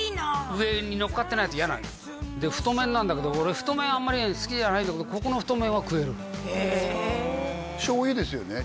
上にのっかってないと嫌なので太麺なんだけど俺太麺あんまりね好きじゃないんだけどここの太麺は食えるへえ醤油ですよね？